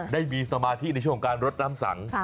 ได้มีสมาธิในสมัโลการรถหน้ำสัง